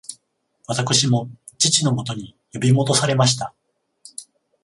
私も父のもとに呼び戻されました